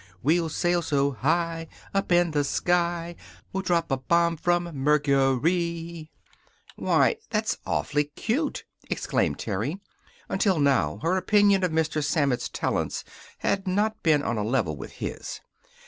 We'll sail so high Up in the sky We'll drop a bomb from Mercury. "Why, that's awfully cute!" exclaimed Terry. Until now her opinion of Mr. Sammett's talents had not been on a level with his.